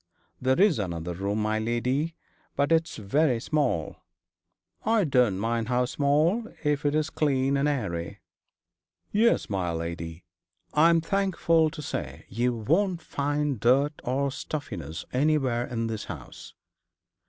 'There is another room, my lady, but it's very small.' 'I don't mind how small, if it is clean and airy.' 'Yes, my lady. I am thankful to say you won't find dirt or stuffiness anywhere in this house.